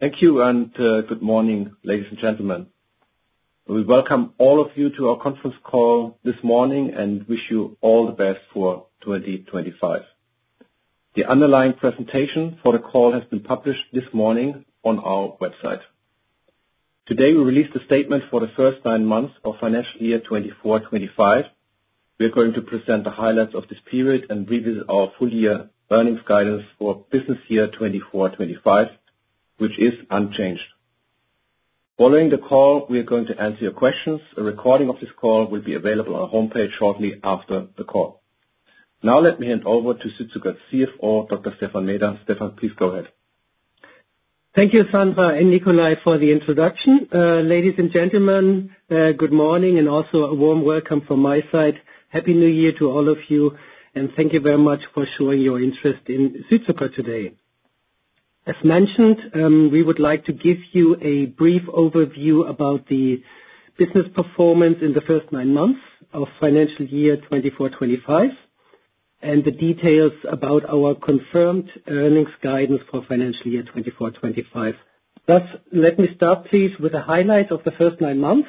Thank you, and good morning, ladies and gentlemen. We welcome all of you to our conference call this morning and wish you all the best for 2025. The underlying presentation for the call has been published this morning on our website. Today, we released the statement for the first nine months of financial year 2024/2025. We are going to present the highlights of this period and revisit our full-year earnings guidance for business year 2024/2025, which is unchanged. Following the call, we are going to answer your questions. A recording of this call will be available on our homepage shortly after the call. Now, let me hand over to Südzucker CFO, Dr. Stephan Meeder. Stephan, please go ahead. Thank you, Sandra and Nikolai, for the introduction. Ladies and gentlemen, good morning, and also a warm welcome from my side. Happy New Year to all of you, and thank you very much for showing your interest in Südzucker today. As mentioned, we would like to give you a brief overview about the business performance in the first nine months of financial year 2024/2025 and the details about our confirmed earnings guidance for financial year 2024/2025. Thus, let me start, please, with the highlight of the first nine months.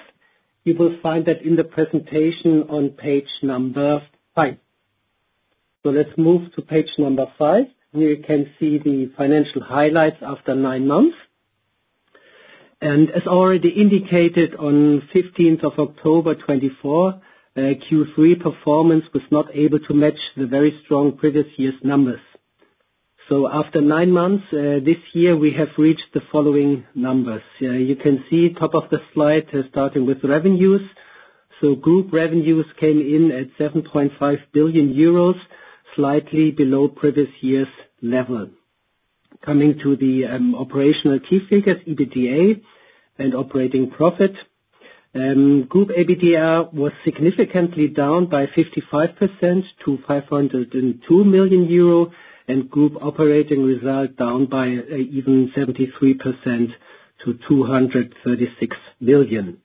You will find that in the presentation on page number five. So let's move to page number five. We can see the financial highlights after nine months. And as already indicated, on 15th of October 2024, Q3 performance was not able to match the very strong previous year's numbers. So after nine months, this year, we have reached the following numbers. You can see top of the slide, starting with revenues. So group revenues came in at 7.5 billion euros, slightly below previous year's level. Coming to the operational key figures, EBITDA and operating profit, group EBITDA was significantly down by 55% to 502 million euro, and group operating result down by even 73% to 236 million.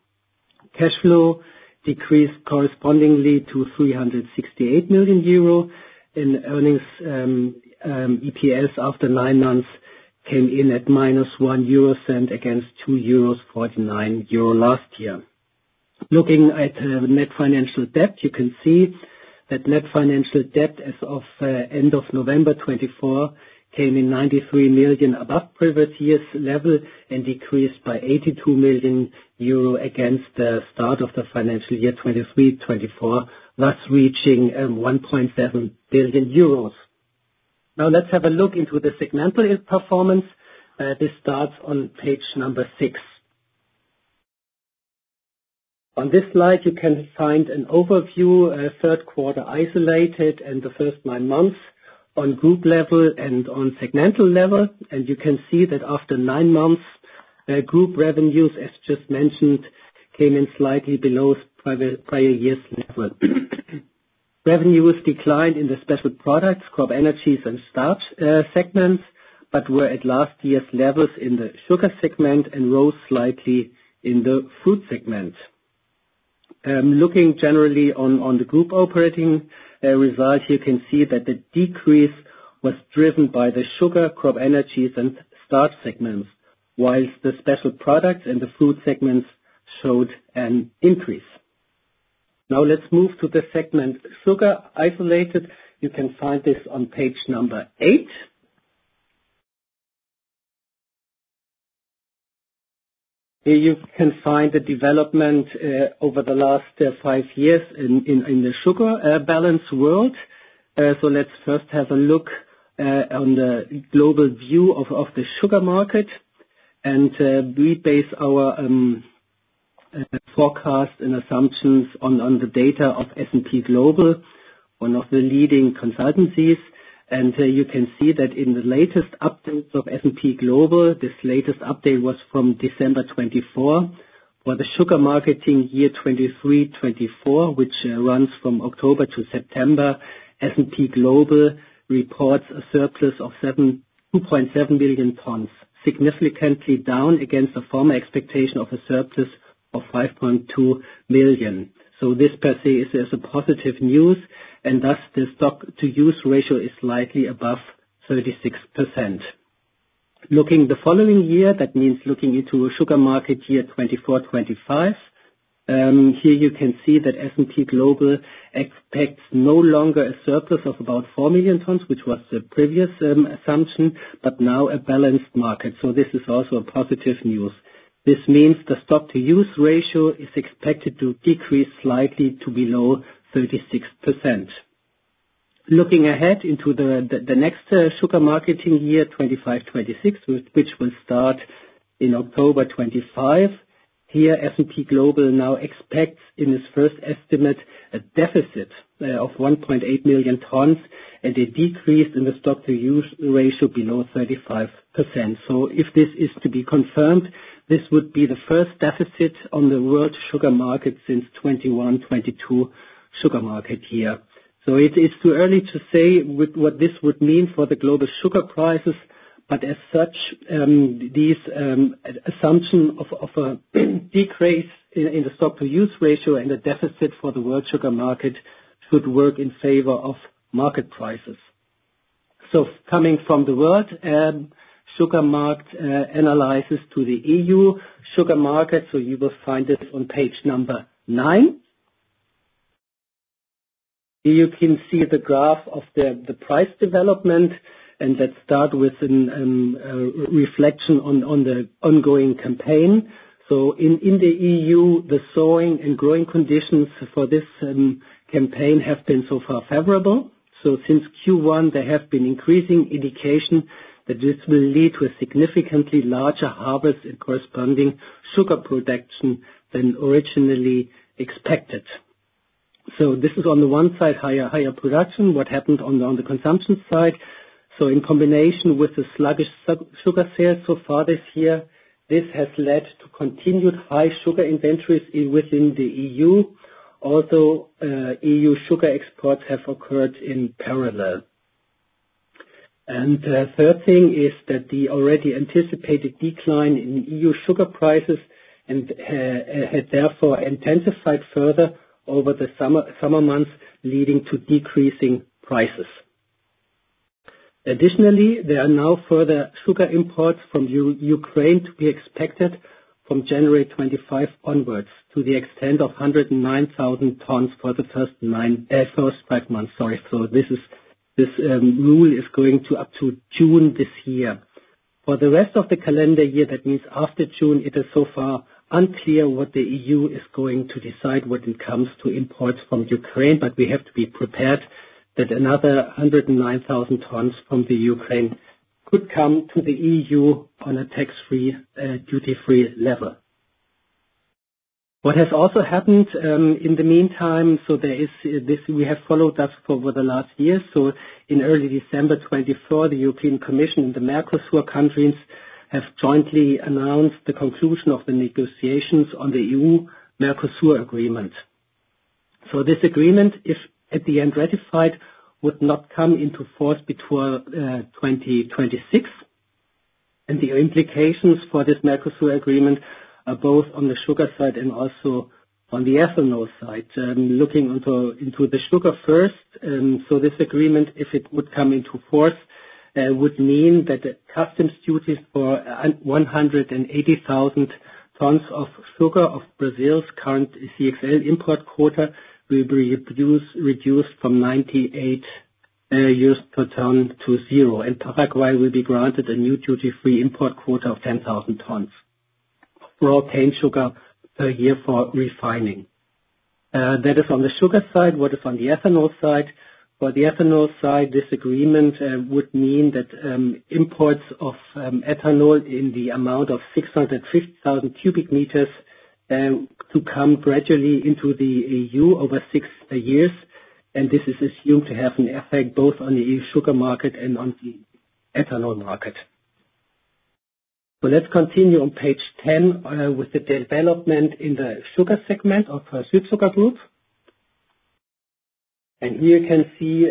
Cash flow decreased correspondingly to 368 million euro, and earnings EPS after nine months came in at -1 euro against 2.49 euros last year. Looking at net financial debt, you can see that net financial debt as of end of November 2024 came in 93 million above previous year's level and decreased by 82 million euro against the start of the financial year 2023/2024, thus reaching 1.7 billion euros. Now, let's have a look into the segmental performance. This starts on page number six. On this slide, you can find an overview, third quarter isolated, and the first nine months on group level and on segmental level. And you can see that after nine months, group revenues, as just mentioned, came in slightly below prior year's level. Revenues declined in the special products, CropEnergies, and starch segments, but were at last year's levels in the sugar segment and rose slightly in the food segment. Looking generally on the group operating result, you can see that the decrease was driven by the sugar, CropEnergies, and starch segments, while the special products and the food segments showed an increase. Now, let's move to the segment sugar isolated. You can find this on page number eight. Here you can find the development over the last five years in the sugar balance world. Let's first have a look on the global view of the sugar market. We base our forecast and assumptions on the data of S&P Global, one of the leading consultancies. You can see that in the latest update of S&P Global, this latest update was from December 2024. For the sugar marketing year 2023/2024, which runs from October to September, S&P Global reports a surplus of 2.7 billion tons, significantly down against the former expectation of a surplus of 5.2 million. This per se is a positive news, and thus the stock-to-use ratio is slightly above 36%. Looking the following year, that means looking into sugar market year 2024/2025, here you can see that S&P Global expects no longer a surplus of about 4 million tons, which was the previous assumption, but now a balanced market. This is also positive news. This means the stock-to-use ratio is expected to decrease slightly to below 36%. Looking ahead into the next sugar marketing year, 2025/2026, which will start in October 2025, here S&P Global now expects in its first estimate a deficit of 1.8 million tons and a decrease in the stock-to-use ratio below 35%. If this is to be confirmed, this would be the first deficit on the world sugar market since 2021/2022 sugar market year. It is too early to say what this would mean for the global sugar prices, but as such, these assumptions of a decrease in the stock-to-use ratio and a deficit for the world sugar market should work in favor of market prices. Coming from the world sugar market analysis to the EU sugar market, you will find this on page number nine. Here you can see the graph of the price development, and let's start with a reflection on the ongoing campaign. In the EU, the sowing and growing conditions for this campaign have been so far favorable. Since Q1, there have been increasing indications that this will lead to a significantly larger harvest and corresponding sugar production than originally expected. This is on the one side, higher production. What happened on the consumption side? In combination with the sluggish sugar sales so far this year, this has led to continued high sugar inventories within the EU, although EU sugar exports have occurred in parallel. The third thing is that the already anticipated decline in EU sugar prices has therefore intensified further over the summer months, leading to decreasing prices. Additionally, there are now further sugar imports from Ukraine to be expected from January 2025 onwards to the extent of 109,000 tons for the first nine months. Sorry, so this rule is going up to June this year. For the rest of the calendar year, that means after June, it is so far unclear what the EU is going to decide when it comes to imports from Ukraine, but we have to be prepared that another 109,000 tons from Ukraine could come to the EU on a tax-free, duty-free level. What has also happened in the meantime, so we have followed that for the last year, so in early December 2024, the European Commission and the Mercosur countries have jointly announced the conclusion of the negotiations on the EU-Mercosur agreement. So this agreement, if at the end ratified, would not come into force before 2026. The implications for this Mercosur agreement are both on the sugar side and also on the ethanol side. Looking into the sugar first, so this agreement, if it would come into force, would mean that customs duties for 180,000 tons of sugar of Brazil's current CXL-import quota will be reduced from 98 euros per ton to zero. And Paraguay will be granted a new duty-free import quota of 10,000 tons for all cane sugar per year for refining. That is on the sugar side. What is on the ethanol side? For the ethanol side, this agreement would mean that imports of ethanol in the amount of 650,000 cubic meters could come gradually into the EU over six years. And this is assumed to have an effect both on the EU sugar market and on the ethanol market. Let's continue on page 10 with the development in the sugar segment of Südzucker Group. Here you can see,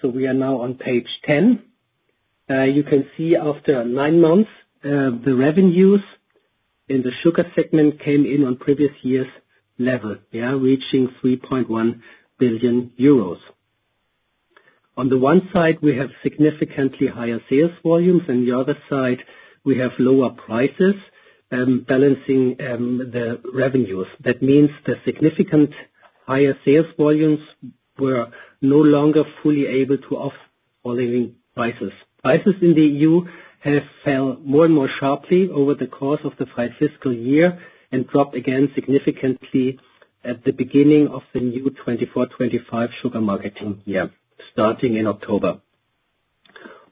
so we are now on page 10. You can see after nine months, the revenues in the sugar segment came in on previous year's level, reaching 3.1 billion euros. On the one side, we have significantly higher sales volumes. On the other side, we have lower prices balancing the revenues. That means the significant higher sales volumes were no longer fully able to offset the falling prices. Prices in the EU have fell more and more sharply over the course of the five fiscal years and dropped again significantly at the beginning of the new 2024/2025 sugar marketing year, starting in October.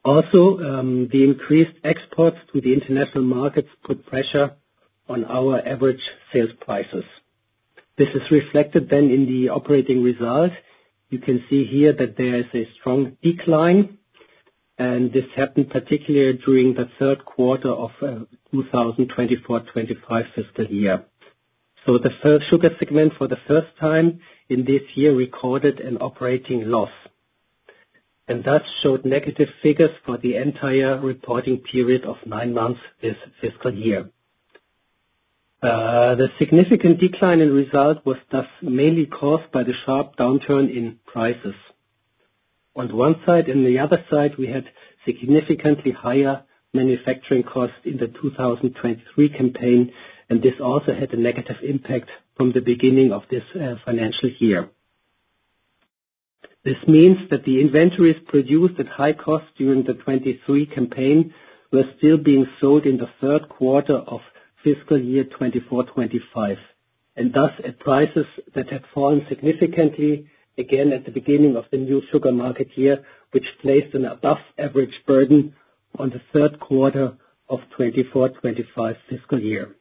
Also, the increased exports to the international markets put pressure on our average sales prices. This is reflected then in the operating result. You can see here that there is a strong decline, and this happened particularly during the third quarter of 2024/2025 fiscal year, so the sugar segment for the first time in this year recorded an operating loss and thus showed negative figures for the entire reporting period of nine months this fiscal year. The significant decline in result was thus mainly caused by the sharp downturn in prices. On one side, on the other side, we had significantly higher manufacturing costs in the 2023 campaign, and this also had a negative impact from the beginning of this financial year. This means that the inventories produced at high cost during the '23 campaign were still being sold in the third quarter of fiscal year 2024/2025, and thus at prices that had fallen significantly again at the beginning of the new sugar market year, which placed an above-average burden on the third quarter of '24/'25 fiscal year.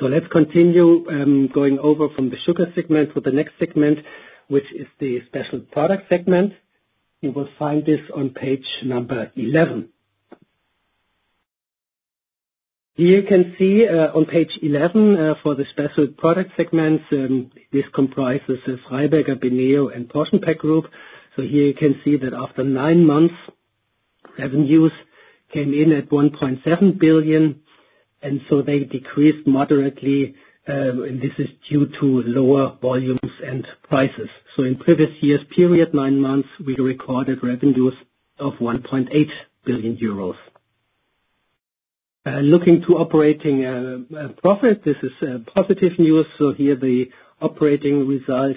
So let's continue going over from the sugar segment to the next segment, which is the special product segment. You will find this on page 11. Here you can see on page 11 for the special product segments, this comprises Freiberger, Beneo, and PortionPack Group. So here you can see that after nine months, revenues came in at 1.7 billion, and so they decreased moderately, and this is due to lower volumes and prices. So in previous year's period, nine months, we recorded revenues of 1.8 billion euros. Looking to operating profit, this is positive news, so here the operating result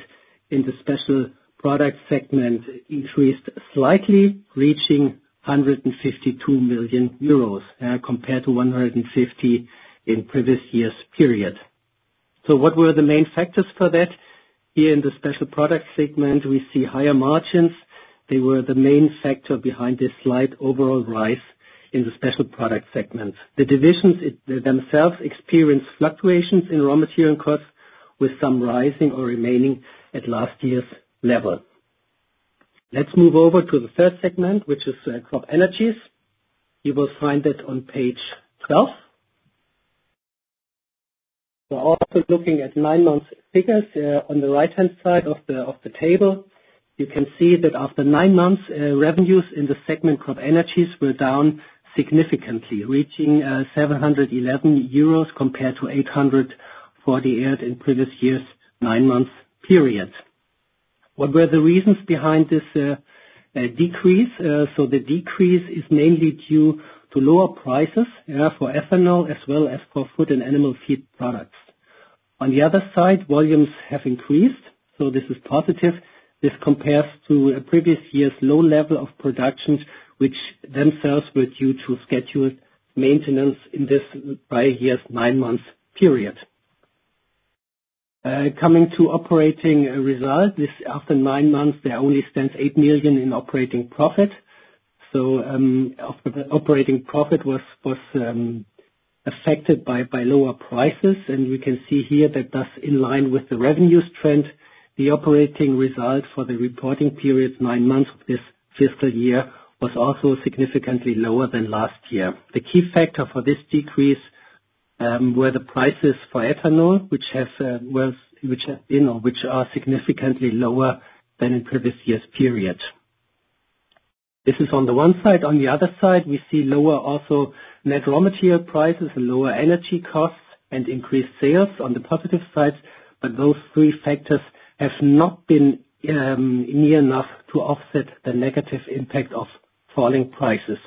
in the special products segment increased slightly, reaching 152 million euros compared to 150 in previous year's period. So what were the main factors for that? Here in the special products segment, we see higher margins. They were the main factor behind this slight overall rise in the special products segment. The divisions themselves experienced fluctuations in raw material costs with some rising or remaining at last year's level. Let's move over to the third segment, which is CropEnergies. You will find that on page 12, so after looking at nine months figures on the right-hand side of the table, you can see that after nine months, revenues in the segment CropEnergies were down significantly, reaching 711 euros compared to 848 in previous year's nine-month period. What were the reasons behind this decrease? So the decrease is mainly due to lower prices for ethanol as well as for food and animal feed products. On the other side, volumes have increased, so this is positive. This compares to previous year's low level of productions, which themselves were due to scheduled maintenance in this five-year's nine-month period. Coming to operating result, after nine months, there only stands 8 million in operating profit. So operating profit was affected by lower prices, and we can see here that thus, in line with the revenues trend, the operating result for the reporting period, nine months of this fiscal year, was also significantly lower than last year. The key factor for this decrease were the prices for ethanol, which have been or which are significantly lower than in previous year's period. This is on the one side. On the other side, we see lower also net raw material prices and lower energy costs and increased sales on the positive side, but those three factors have not been near enough to offset the negative impact of falling prices.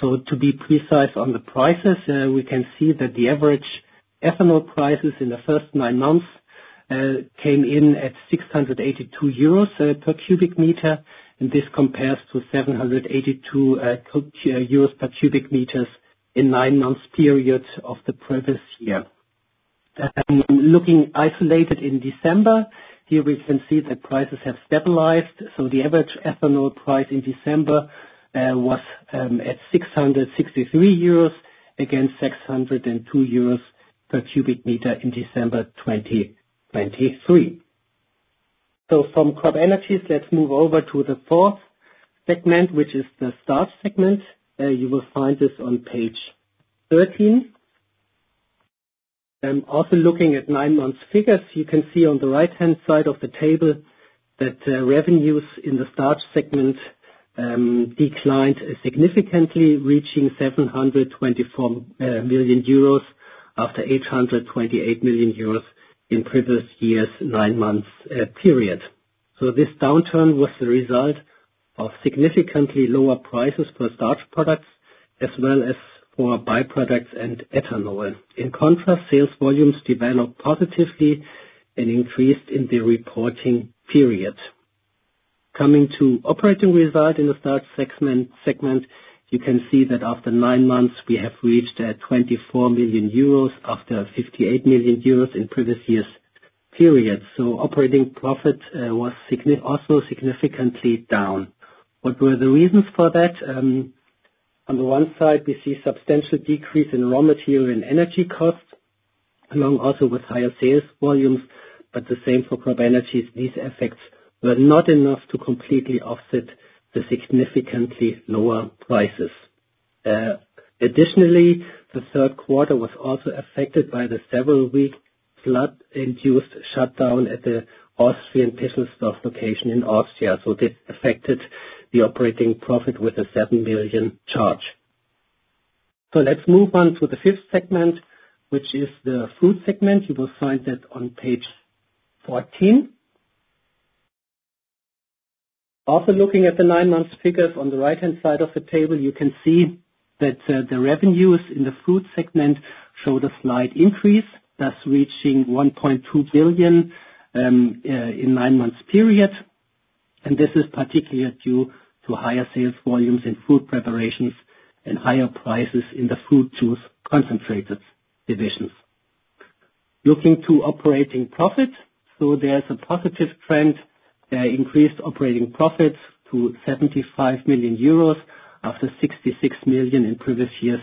So to be precise on the prices, we can see that the average ethanol prices in the first nine months came in at 682 euros per cubic meter, and this compares to 782 euros per cubic meter in nine-month period of the previous year. Looking isolated in December, here we can see that prices have stabilized. So the average ethanol price in December was at 663 euros against 602 euros per cubic meter in December 2023. So from CropEnergies, let's move over to the fourth segment, which is the starch segment. You will find this on page 13. Also looking at nine-month figures, you can see on the right-hand side of the table that revenues in the starch segment declined significantly, reaching 724 million euros after 828 million euros in previous year's nine-month period. So this downturn was the result of significantly lower prices for starch products as well as for byproducts and ethanol. In contrast, sales volumes developed positively and increased in the reporting period. Coming to operating result in the starch segment, you can see that after nine months, we have reached 24 million euros after 58 million euros in previous year's period. So operating profit was also significantly down. What were the reasons for that? On the one side, we see a substantial decrease in raw material and energy costs, along also with higher sales volumes, but the same for CropEnergies. These effects were not enough to completely offset the significantly lower prices. Additionally, the third quarter was also affected by the several-week flood-induced shutdown at the Austrian Pischelsdorf in Austria. So this affected the operating profit with a 7 million charge. So let's move on to the fifth segment, which is the food segment. You will find that on page 14. Also looking at the nine-month figures on the right-hand side of the table, you can see that the revenues in the food segment showed a slight increase, thus reaching 1.2 billion in nine-month period. And this is particularly due to higher sales volumes in food preparations and higher prices in the fruit juice concentrates division. Looking to operating profit, so there's a positive trend, increased operating profits to 75 million euros after 66 million in previous year's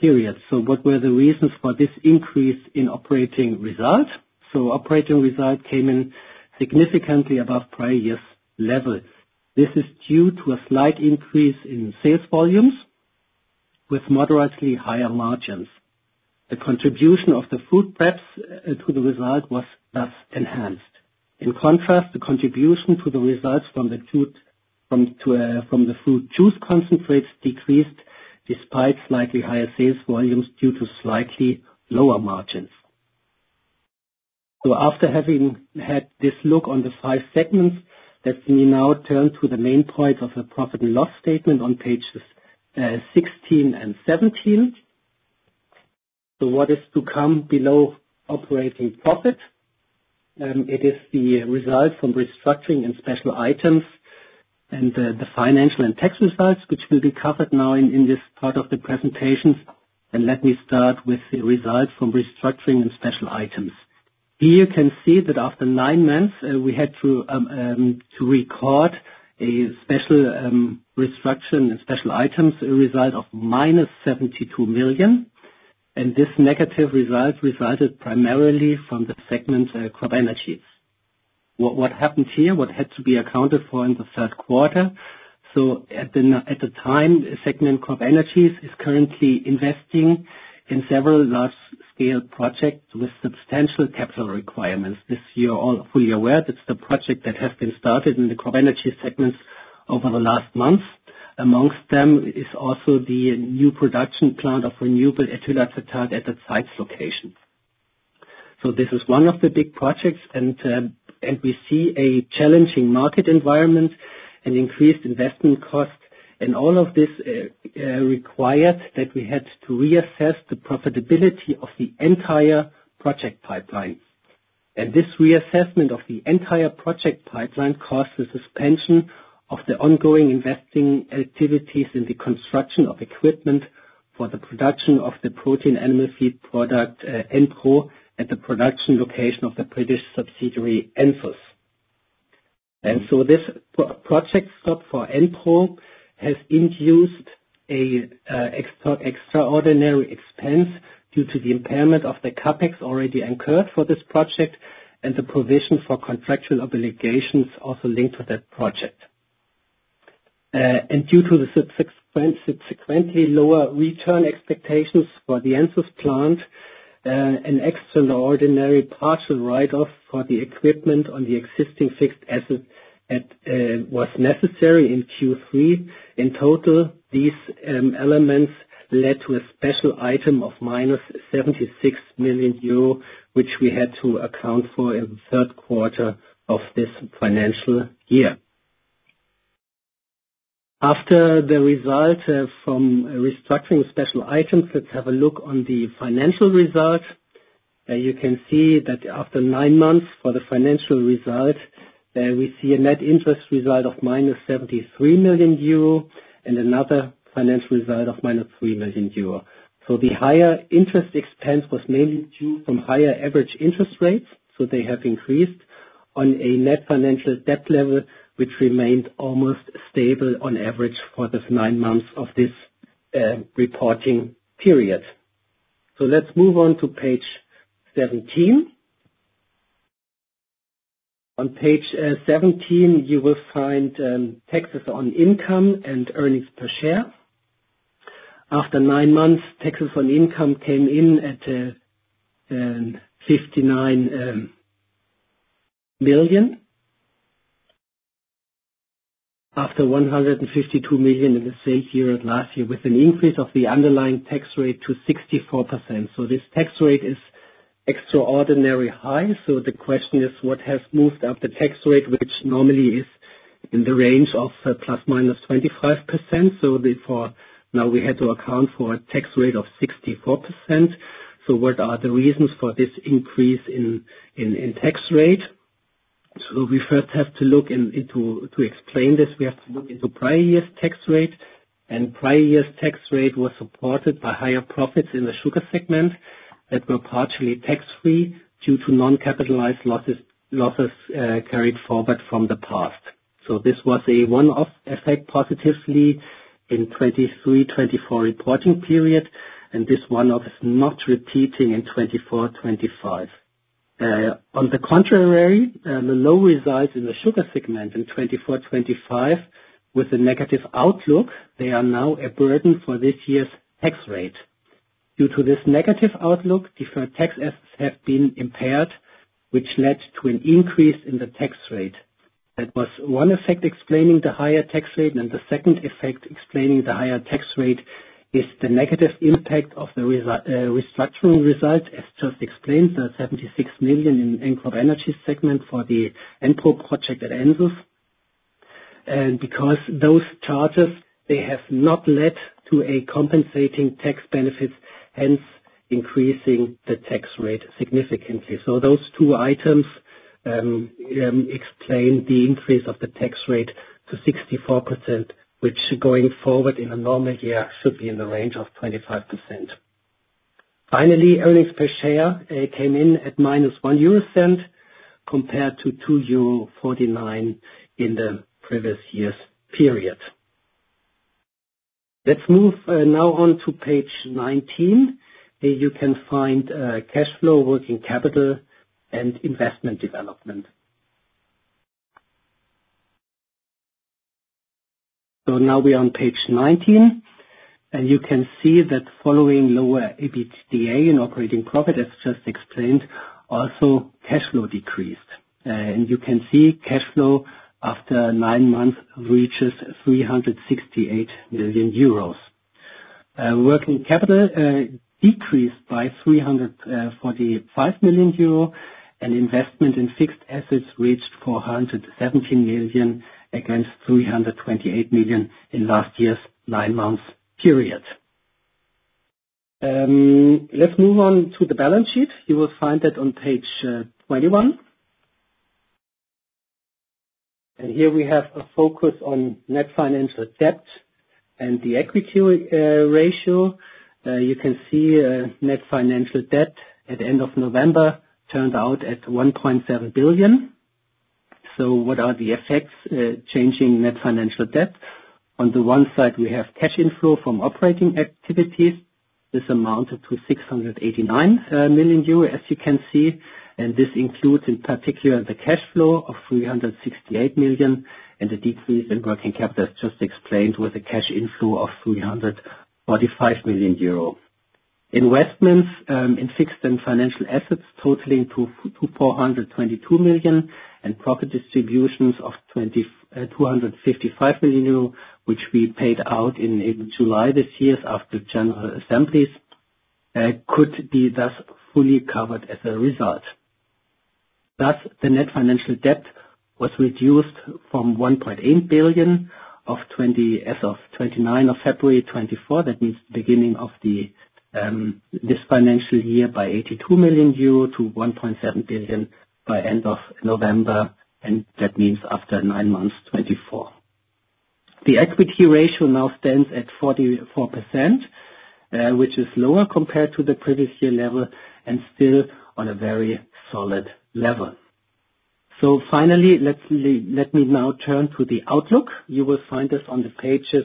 period. So what were the reasons for this increase in operating result? So operating result came in significantly above prior year's level. This is due to a slight increase in sales volumes with moderately higher margins. The contribution of the food preps to the result was thus enhanced. In contrast, the contribution to the results from the fruit juice concentrates decreased despite slightly higher sales volumes due to slightly lower margins. So after having had this look on the five segments, let me now turn to the main points of the profit and loss statement on pages 16 and 17. So what is to come below operating profit? It is the result from restructuring and special items and the financial and tax results, which will be covered now in this part of the presentation. And let me start with the result from restructuring and special items. Here you can see that after nine months, we had to record a special restructuring and special items result of 72 million. This negative result resulted primarily from the CropEnergies segment. What happened here? What had to be accounted for in the third quarter? At the time, the CropEnergies segment is currently investing in several large-scale projects with substantial capital requirements. This you're all fully aware of; that's the project that has been started in the CropEnergies segment over the last months. Amongst them is also the new production plant of renewable ethyl acetate at the Zeitz location. This is one of the big projects, and we see a challenging market environment and increased investment costs. All of this required that we had to reassess the profitability of the entire project pipeline. This reassessment of the entire project pipeline caused the suspension of the ongoing investing activities in the construction of equipment for the production of the protein animal feed product EnPro at the production location of the British subsidiary Ensus. This project stop for EnPro has induced an extraordinary expense due to the impairment of the CapEx already incurred for this project and the provision for contractual obligations also linked to that project. Due to the subsequently lower return expectations for the Ensus plant, an extraordinary partial write-off for the equipment on the existing fixed asset was necessary in Q3. In total, these elements led to a special item of 76 million euro, which we had to account for in the third quarter of this financial year. After the result from restructuring special items, let's have a look on the financial result. You can see that after nine months for the financial result, we see a net interest result of 73 million euro and another financial result of 3 million euro. So the higher interest expense was mainly due from higher average interest rates, so they have increased on a net financial debt level, which remained almost stable on average for the nine months of this reporting period. So let's move on to page 17. On page 17, you will find taxes on income and earnings per share. After nine months, taxes on income came in at 59 million after 152 million in the same year as last year, with an increase of the underlying tax rate to 64%. So this tax rate is extraordinarily high. So the question is, what has moved up the tax rate, which normally is in the range of ±25%? Now we had to account for a tax rate of 64%. What are the reasons for this increase in tax rate? We first have to look into it to explain this. We have to look into prior year's tax rate, and prior year's tax rate was supported by higher profits in the sugar segment that were partially tax-free due to non-capitalized losses carried forward from the past. This was a one-off effect positively in the 2023/2024 reporting period, and this one-off is not repeating in 2024/2025. On the contrary, the low results in the sugar segment in 2024/2025, with a negative outlook, they are now a burden for this year's tax rate. Due to this negative outlook, different tax assets have been impaired, which led to an increase in the tax rate. That was one effect explaining the higher tax rate, and the second effect explaining the higher tax rate is the negative impact of the restructuring result, as just explained, the 76 million in the CropEnergies segment for the EnPro project at Ensus. And because those charges, they have not led to a compensating tax benefit, hence increasing the tax rate significantly. So those two items explain the increase of the tax rate to 64%, which going forward in a normal year should be in the range of 25%. Finally, earnings per share came in at 0.01 compared to 2.49 euro in the previous year's period. Let's move now on to page 19. You can find cash flow, working capital, and investment development. So now we are on page 19, and you can see that following lower EBITDA in operating profit, as just explained, also cash flow decreased. You can see cash flow after nine months reaches 368 million euros. Working capital decreased by 345 million euro, and investment in fixed assets reached 417 million against 328 million in last year's nine-month period. Let's move on to the balance sheet. You will find that on page 21. Here we have a focus on net financial debt and the equity ratio. You can see net financial debt at the end of November turned out at 1.7 billion. So what are the effects changing net financial debt? On the one side, we have cash inflow from operating activities. This amounted to 689 million euro, as you can see, and this includes in particular the cash flow of 368 million and the decrease in working capital, as just explained, with a cash inflow of 345 million euro. Investments in fixed and financial assets totaling to 422 million and profit distributions of 255 million euro, which we paid out in July this year after general assemblies, could be thus fully covered as a result. Thus, the net financial debt was reduced from 1.8 billion as of 29 of February 2024. That means the beginning of this financial year by 82 million euro to 1.7 billion by end of November, and that means after nine months 2024. The equity ratio now stands at 44%, which is lower compared to the previous year level and still on a very solid level. So finally, let me now turn to the outlook. You will find this on the pages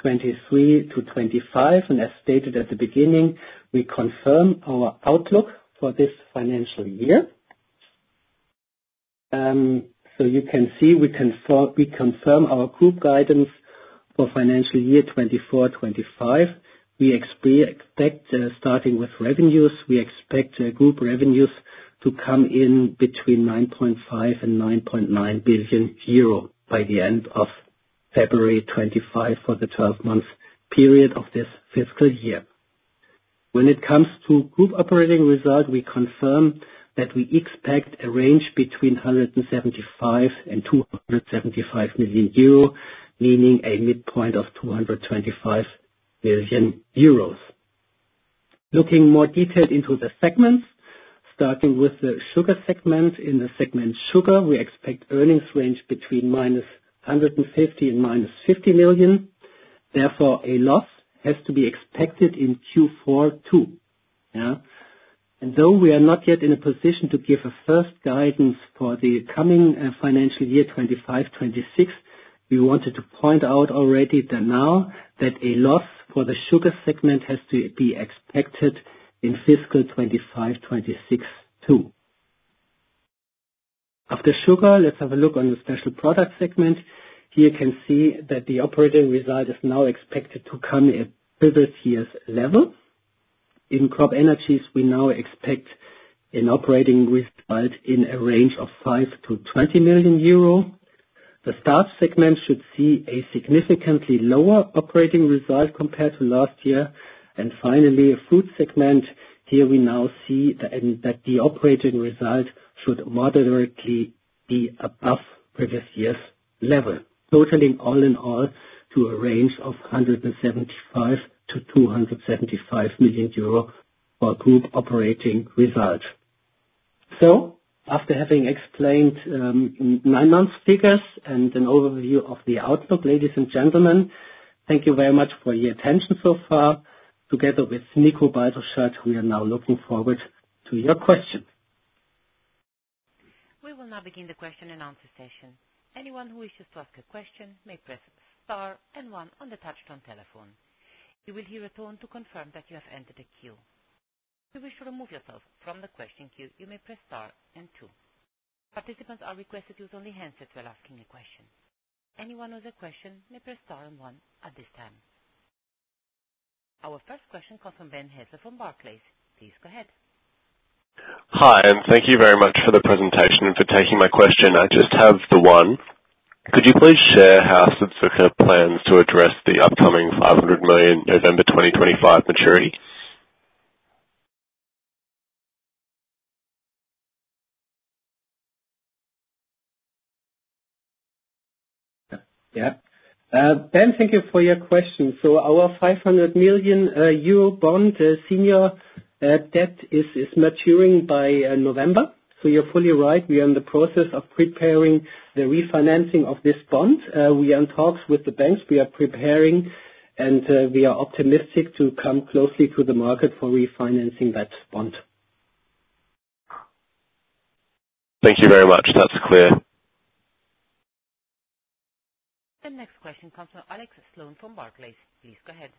23 to 25, and as stated at the beginning, we confirm our outlook for this financial year. So you can see we confirm our group guidance for financial year 2024/2025. We expect, starting with revenues, we expect group revenues to come in between 9.5-9.9 billion euro by the end of February 2025 for the 12-month period of this fiscal year. When it comes to group operating result, we confirm that we expect a range between 175-275 million euro, meaning a midpoint of 225 million euros. Looking more detailed into the segments, starting with the sugar segment, in the segment sugar, we expect earnings range between 150-150 million. Therefore, a loss has to be expected in Q4 too. And though we are not yet in a position to give a first guidance for the coming financial year 2025/2026, we wanted to point out already that now that a loss for the sugar segment has to be expected in fiscal 2025/2026 too. After sugar, let's have a look on the special product segment. Here you can see that the operating result is now expected to come at previous year's level. In CropEnergies, we now expect an operating result in a range of 5 to 20 million euro. The starch segment should see a significantly lower operating result compared to last year. And finally, fruit segment, here we now see that the operating result should moderately be above previous year's level, totaling all in all to a range of 175 to 275 million euro for group operating result. So after having explained nine-month figures and an overview of the outlook, ladies and gentlemen, thank you very much for your attention so far. Together with Nikolai Baltruschat, we are now looking forward to your question. We will now begin the question and answer session. Anyone who wishes to ask a question may press star and one on the touch-tone telephone. You will hear a tone to confirm that you have entered the queue. If you wish to remove yourself from the question queue, you may press star and two. Participants are requested to use only handsets while asking a question. Anyone with a question may press star and one at this time. Our first question comes from Ben Theurer from Barclays. Please go ahead. Hi, and thank you very much for the presentation and for taking my question. I just have the one. Could you please share how Südzucker plans to address the upcoming 500 million November 2025 maturity? Yep. Ben, thank you for your question, so our 500 million euro bond senior debt is maturing by November, so you're fully right. We are in the process of preparing the refinancing of this bond. We are in talks with the banks. We are preparing, and we are optimistic to come closely to the market for refinancing that bond. Thank you very much. That's clear. The next question comes from Alex Sloane from Barclays. Please go ahead.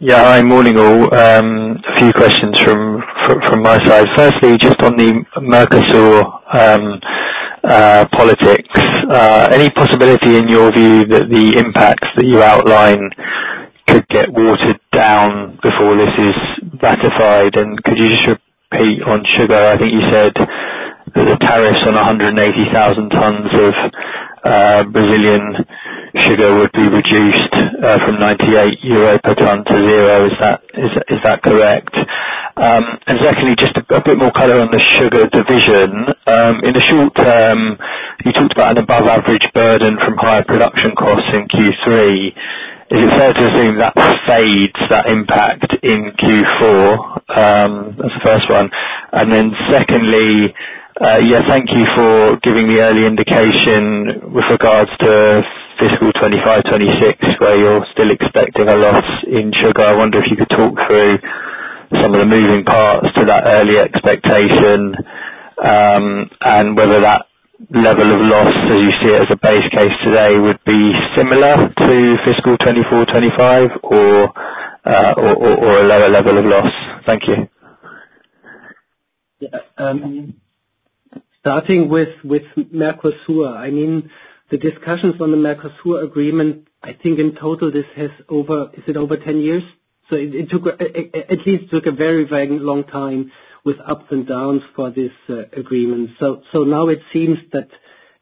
Yeah, hi. Morning, all. A few questions from my side. Firstly, just on the Mercosur politics, any possibility in your view that the impacts that you outline could get watered down before this is ratified? And could you just repeat on sugar? I think you said that the tariffs on 180,000 tons of Brazilian sugar would be reduced from 98 euro per ton to zero. Is that correct? And secondly, just a bit more color on the sugar division. In the short term, you talked about an above-average burden from higher production costs in Q3. Is it fair to assume that fades that impact in Q4? That's the first one. And then secondly, yeah, thank you for giving the early indication with regards to fiscal 2025/26, where you're still expecting a loss in sugar. I wonder if you could talk through some of the moving parts to that early expectation and whether that level of loss, as you see it as a base case today, would be similar to fiscal 2024/2025 or a lower level of loss? Thank you. Yeah. Starting with Mercosur, I mean, the discussions on the Mercosur agreement, I think in total this has over, is it over 10 years? So it took at least a very, very long time with ups and downs for this agreement. So now it seems that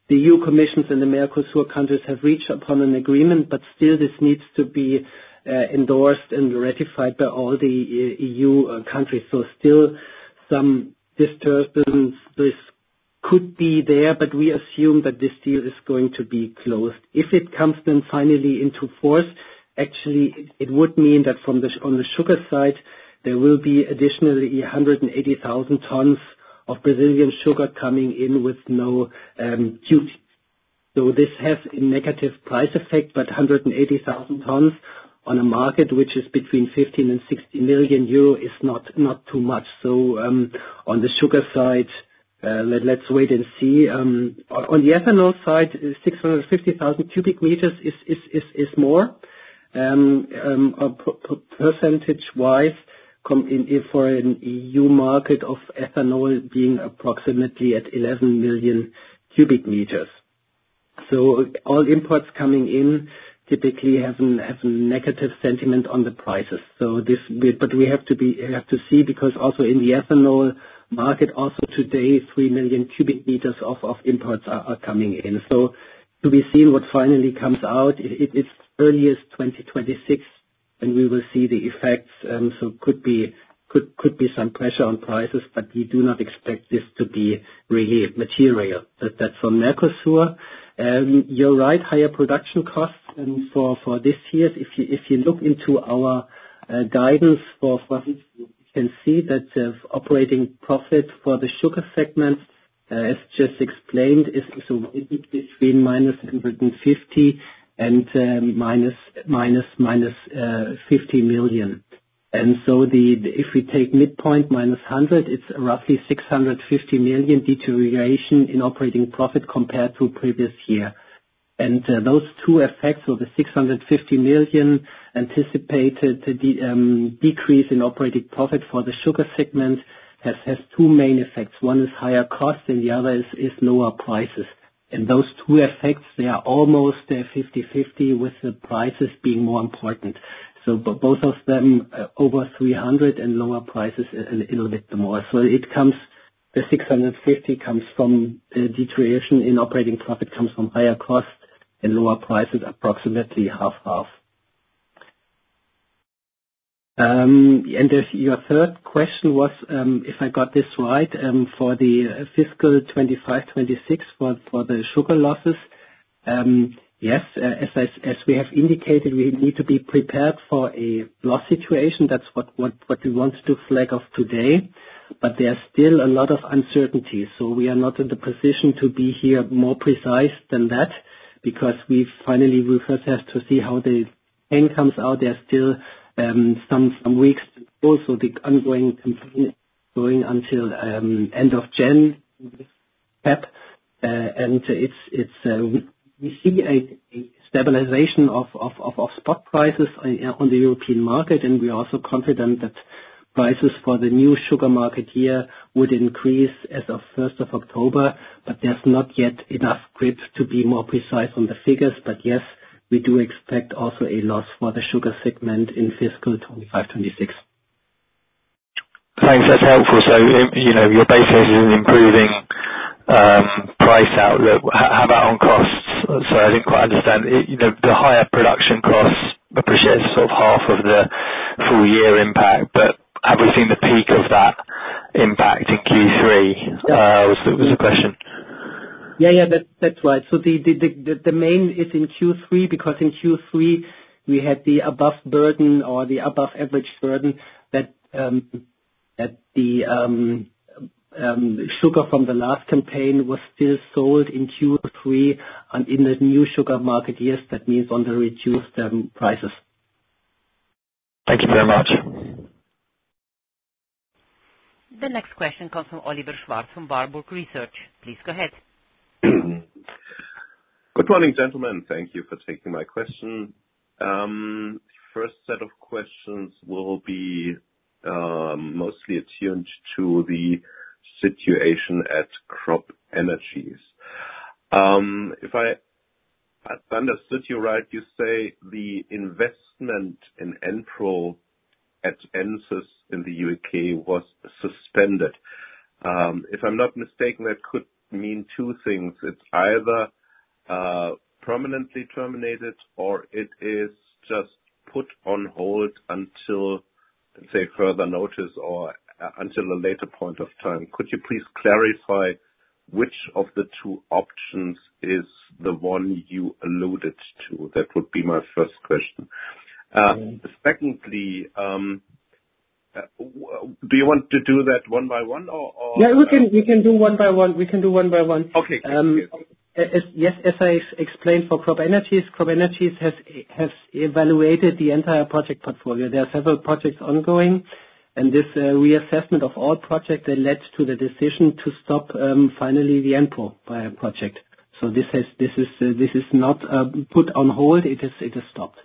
the EU Commission and the Mercosur countries have reached upon an agreement, but still this needs to be endorsed and ratified by all the EU countries. So still some disturbances could be there, but we assume that this deal is going to be closed. If it comes then finally into force, actually, it would mean that on the sugar side, there will be additionally 180,000 tons of Brazilian sugar coming in with no duty. So this has a negative price effect, but 180,000 tons on a market which is between 15 and 60 million euro is not too much. So on the sugar side, let's wait and see. On the ethanol side, 650,000 cubic meters is more percentage-wise for an EU market of ethanol being approximately at 11 million cubic meters. So all imports coming in typically have a negative sentiment on the prices. But we have to see because also in the ethanol market, also today, 3 million cubic meters of imports are coming in. So to be seen what finally comes out, it's earliest 2026 when we will see the effects. So could be some pressure on prices, but we do not expect this to be really material. That's on Mercosur. You're right, higher production costs for this year. If you look into our guidance, you can see that the operating profit for the sugar segment, as just explained, is between -150 million and -EUR 50 million. So if we take midpoint -100 million, it's roughly 650 million deterioration in operating profit compared to previous year. Those two effects of the 650 million anticipated decrease in operating profit for the sugar segment has two main effects. One is higher cost and the other is lower prices. Those two effects, they are almost 50/50 with the prices being more important. So both of them over 300 million and lower prices a little bit more. The 650 million comes from deterioration in operating profit comes from higher cost and lower prices, approximately half-half. Your third question was, if I got this right, for the fiscal 2025/26 for the sugar losses, yes, as we have indicated, we need to be prepared for a loss situation. That's what we want to flag off today. But there's still a lot of uncertainty. We are not in the position to be any more precise than that because we finally will first have to see how the campaign comes out. There's still some weeks to go. The ongoing campaign is going until end of campaign. We see a stabilization of spot prices on the European market, and we are also confident that prices for the new sugar market year would increase as of 1st of October. There's not yet enough grip to be more precise on the figures. Yes, we do expect also a loss for the sugar segment in fiscal 25/26. Thanks. That's helpful. So your basis is an improving price outlook. How about on costs? Sorry, I didn't quite understand. The higher production costs represent about half of the full year impact, but have we seen the peak of that impact in Q3? That was the question. Yeah, yeah. That's right. So the main is in Q3 because in Q3, we had the above burden or the above-average burden that the sugar from the last campaign was still sold in Q3 and in the new sugar market years. That means on the reduced prices. Thank you very much. The next question comes from Oliver Schwarz from Warburg Research. Please go ahead. Good morning, gentlemen. Thank you for taking my question. First set of questions will be mostly attuned to the situation at CropEnergies. If I understood you right, you say the investment in EnPro at Ensus in the UK was suspended. If I'm not mistaken, that could mean two things. It's either permanently terminated or it is just put on hold until, let's say, further notice or until a later point of time. Could you please clarify which of the two options is the one you alluded to? That would be my first question. Secondly, do you want to do that one by one or? Yeah, we can do one by one. We can do one by one. Okay. Thank you. Yes, as I explained for CropEnergies, CropEnergies has evaluated the entire project portfolio. There are several projects ongoing, and this reassessment of all projects, they led to the decision to stop finally the EnPro project. So this is not put on hold. It is stopped.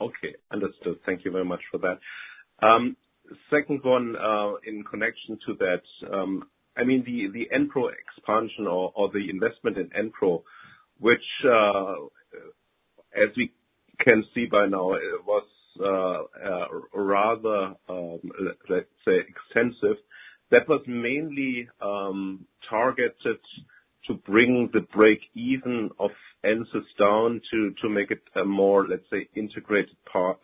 Okay. Understood. Thank you very much for that. Second one, in connection to that, I mean, the EnPro expansion or the investment in EnPro, which, as we can see by now, was rather, let's say, extensive. That was mainly targeted to bring the break-even of Ensus down to make it a more, let's say, integrated plant.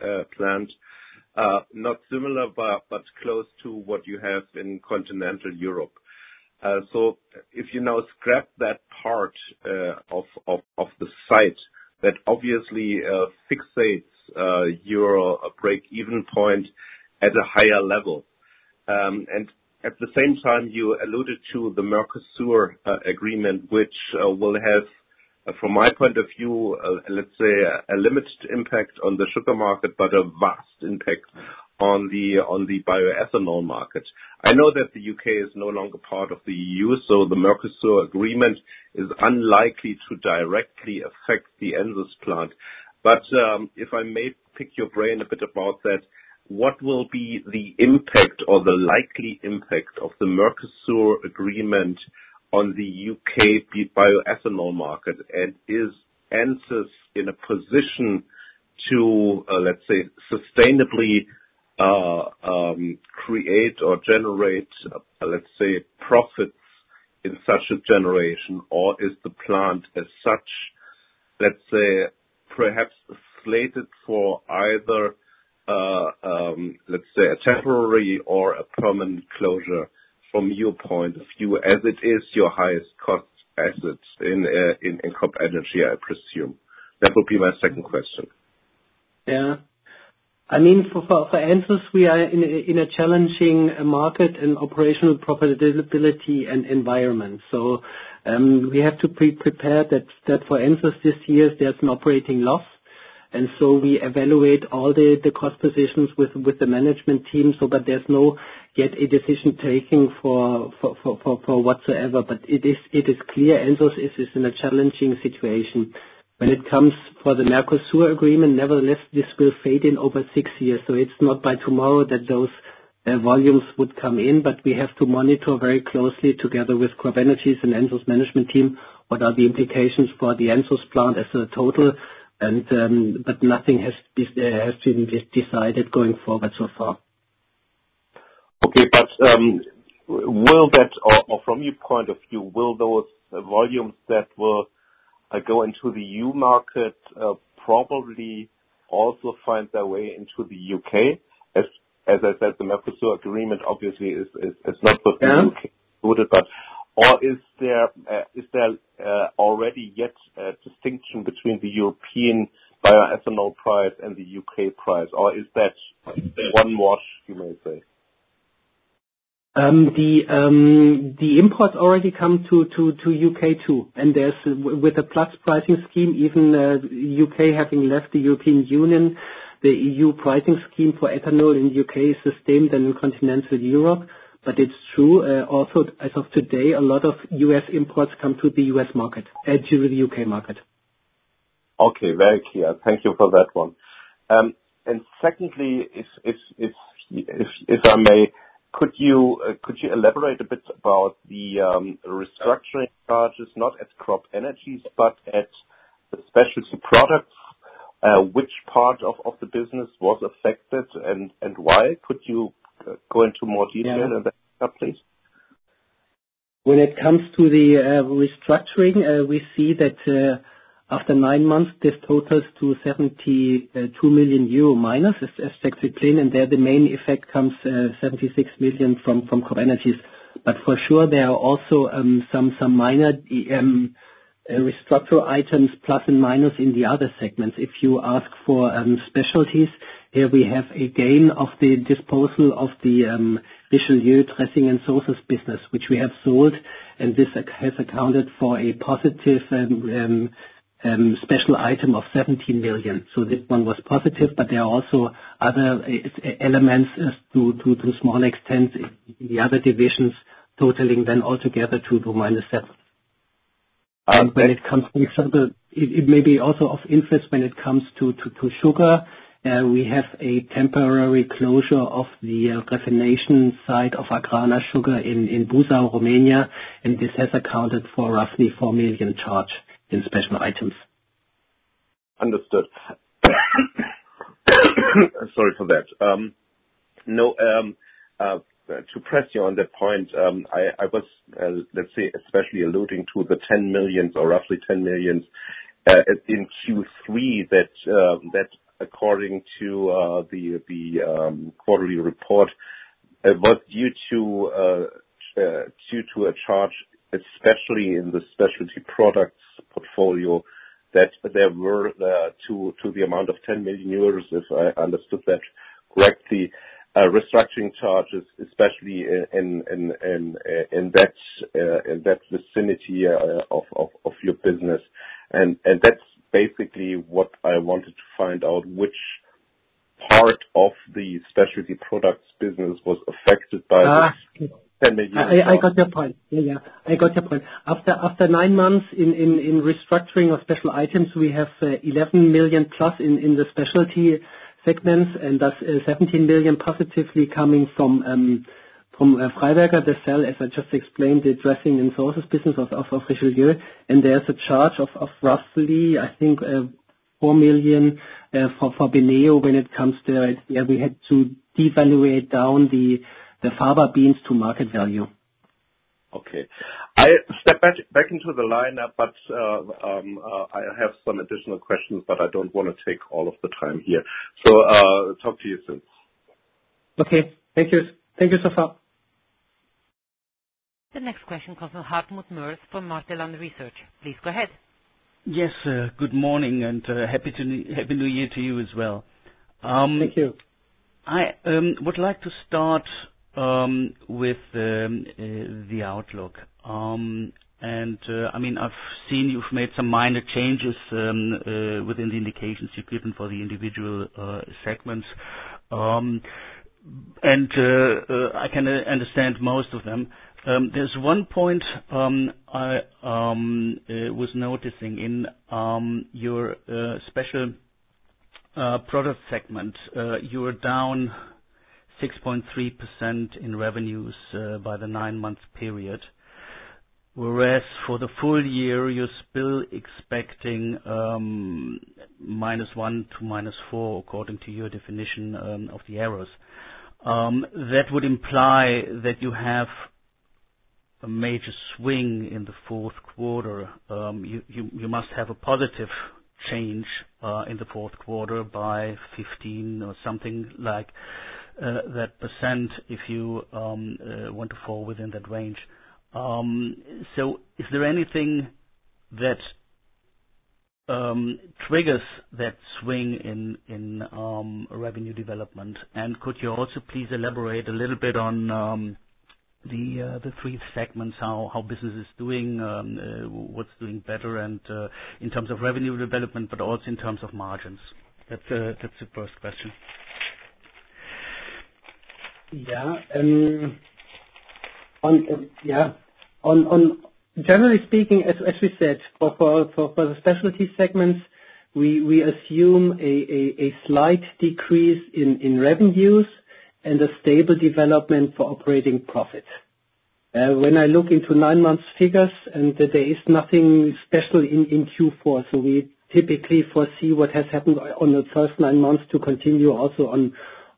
Not similar, but close to what you have in continental Europe. So if you now scrap that part of the site, that obviously fixates your break-even point at a higher level. And at the same time, you alluded to the Mercosur agreement, which will have, from my point of view, let's say, a limited impact on the sugar market, but a vast impact on the bioethanol market. I know that the UK is no longer part of the EU, so the Mercosur agreement is unlikely to directly affect the Ensus plant. If I may pick your brain a bit about that, what will be the impact or the likely impact of the Mercosur agreement on the U.K. bioethanol market? And is Ensus in a position to, let's say, sustainably create or generate, let's say, profits in such a generation, or is the plant as such, let's say, perhaps slated for either, let's say, a temporary or a permanent closure from your point of view, as it is your highest cost asset in CropEnergies, I presume? That would be my second question. Yeah. I mean, for Ensus, we are in a challenging market and operational profitability and environment. So we have to be prepared that for Ensus this year, there's an operating loss. And so we evaluate all the cost positions with the management team. But there's no decision yet taken for whatsoever. But it is clear Ensus is in a challenging situation. When it comes to the Mercosur agreement, nevertheless, this will phase in over six years. So it's not by tomorrow that those volumes would come in, but we have to monitor very closely together with CropEnergies and Ensus management team what are the implications for the Ensus plant as a whole. But nothing has been decided going forward so far. Okay. But will that, or from your point of view, will those volumes that will go into the EU market probably also find their way into the UK? As I said, the Mercosur agreement obviously is not with the UK included, but is there already yet a distinction between the European bioethanol price and the UK price, or is that one and the same, you may say? The imports already come to the U.K. too, and with the plus pricing scheme, even the U.K. having left the European Union, the EU pricing scheme for ethanol in the U.K. is the same than in continental Europe, but it's true. Also, as of today, a lot of U.S. imports come to the U.S. market and to the U.K. market. Okay. Very clear. Thank you for that one. And secondly, if I may, could you elaborate a bit about the restructuring charges, not at CropEnergies, but at the specialty products? Which part of the business was affected and why? Could you go into more detail on that, please? When it comes to the restructuring, we see that after nine months, this totals to -72 million euro, as Stephan explained, and there the main effect comes from 76 million from CropEnergies. But for sure, there are also some minor restructuring items plus and minus in the other segments. If you ask for specialties, here we have a gain of the disposal of the Richelieu dressings and sauces business, which we have sold, and this has accounted for a positive special item of 17 million. So this one was positive, but there are also other elements to a small extent in the other divisions totaling then altogether to -7. For example, it may be also of interest when it comes to sugar. We have a temporary closure of the refinery site of Agrana Sugar in Buzău, Romania, and this has accounted for roughly 4 million charge in special items. Understood. Sorry for that. To press you on that point, I was, let's say, especially alluding to the 10 million or roughly 10 million in Q3 that, according to the quarterly report, it was due to a charge, especially in the specialty products portfolio, that there were to the amount of 10 million euros, if I understood that correctly, restructuring charges, especially in that vicinity of your business. And that's basically what I wanted to find out, which part of the specialty products business was affected by the EUR 10 million charge. I got your point. Yeah, yeah. I got your point. After nine months in restructuring of special items, we have 11 million+ in the specialty segments, and that's 17 million positively coming from Freiberger, the sale, as I just explained, the dressing and sauces business of Richelieu. And there's a charge of roughly, I think, 4 million for Beneo when it comes to, yeah, we had to devalue down the fava beans to market value. Okay. I step back into the lineup, but I have some additional questions, but I don't want to take all of the time here. So talk to you soon. Okay. Thank you. Thank you so far. The next question comes from Hartmut Moers from Martellon Capital. Please go ahead. Yes, good morning and happy New Year to you as well. Thank you. I would like to start with the outlook, and I mean, I've seen you've made some minor changes within the indications you've given for the individual segments. And I can understand most of them. There is one point I was noticing in your special product segment. You were down 6.3% in revenues by the nine-month period, whereas for the full year, you're still expecting -1% to -4%, according to your definition of the areas. That would imply that you have a major swing in the fourth quarter. You must have a positive change in the fourth quarter by 15% or something like that if you want to fall within that range, so is there anything that triggers that swing in revenue development? Could you also please elaborate a little bit on the three segments, how business is doing, what's doing better in terms of revenue development, but also in terms of margins? That's the first question. Yeah. Yeah. Generally speaking, as we said, for the specialty segments, we assume a slight decrease in revenues and a stable development for operating profits. When I look into nine-month figures, there is nothing special in Q4, so we typically foresee what has happened on the first nine months to continue also in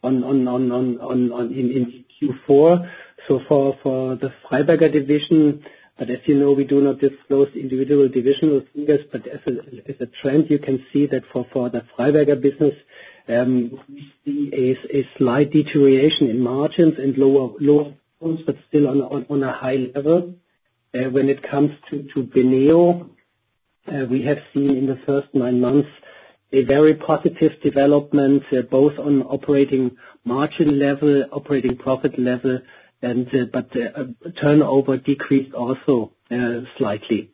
Q4. So for the Freiberger division, but as you know, we do not disclose individual divisional figures, but as a trend, you can see that for the Freiberger business, we see a slight deterioration in margins and lower profits, but still on a high level. When it comes to Beneo, we have seen in the first nine months a very positive development, both on operating margin level, operating profit level, but turnover decreased also slightly.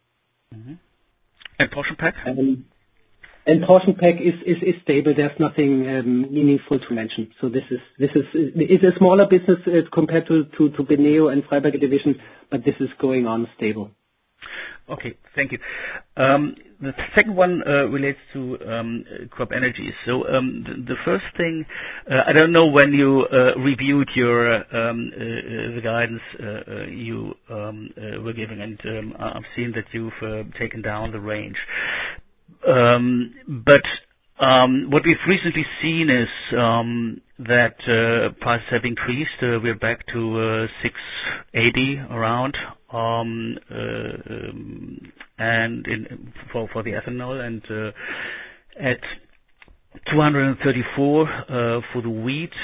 And PortionPak? PortionPack is stable. There's nothing meaningful to mention. This is a smaller business compared to Beneo and Freiberger division, but this is going on stable. Okay. Thank you. The second one relates to CropEnergies. So the first thing, I don't know when you reviewed the guidance you were giving, and I've seen that you've taken down the range. But what we've recently seen is that prices have increased. We're back to 680 around for the ethanol, and at 234 for the wheat,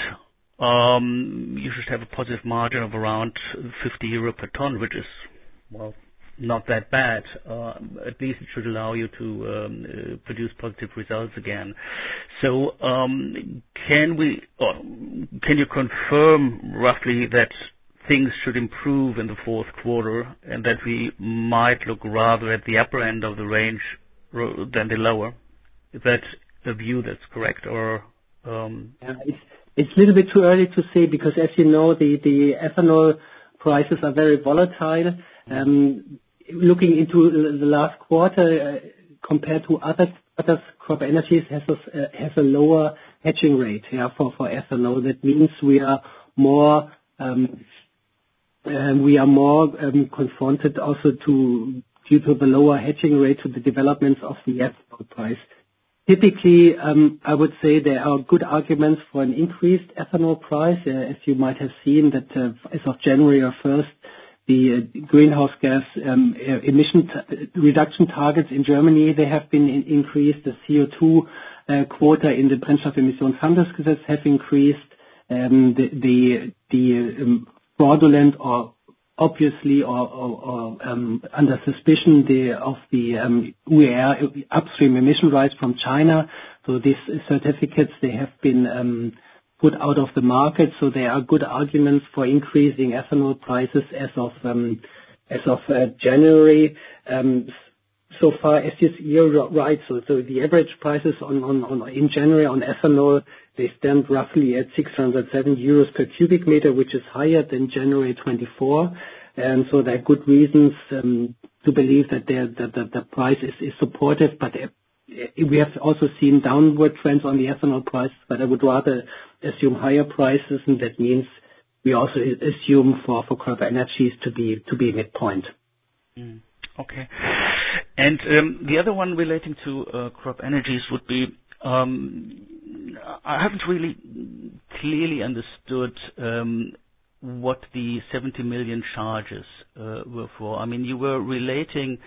you should have a positive margin of around 50 euro per ton, which is, well, not that bad. At least it should allow you to produce positive results again. So can you confirm roughly that things should improve in the fourth quarter and that we might look rather at the upper end of the range than the lower? Is that a view that's correct, or? It's a little bit too early to say because, as you know, the ethanol prices are very volatile. Looking into the last quarter, compared to other quarters, CropEnergies has a lower hedging rate for ethanol. That means we are more confronted also due to the lower hedging rate to the developments of the ethanol price. Typically, I would say there are good arguments for an increased ethanol price, as you might have seen that as of January 1st, the greenhouse gas emission reduction targets in Germany, they have been increased. The CO2 quota in the Brennstoffemissionshandelsgesetz have increased. The fraudulent or obviously under suspicion of the UER upstream emission rights from China, so these certificates, they have been put out of the market. So there are good arguments for increasing ethanol prices as of January. So far as this year goes, the average prices in January on ethanol, they stand roughly at 607 euros per cubic meter, which is higher than January 2024, and so there are good reasons to believe that the price is supportive. But we have also seen downward trends on the ethanol price, but I would rather assume higher prices, and that means we also assume for CropEnergies to be midpoint. Okay. And the other one relating to CropEnergies would be I haven't really clearly understood what the 70 million charges were for. I mean, you were relating